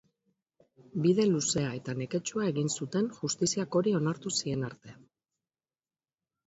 Bide luzea eta neketsua egin zuten justiziak hori onartu zien arte.